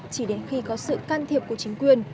chỉ đến khi có sự can thiệp của chính quyền